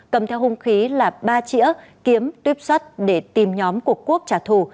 cầm theo hung khí là ba chĩa kiếm tuyếp sắt để tìm nhóm của quốc trả thù